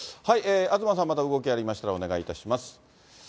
東さん、また動きがありましたら、お願いいたします。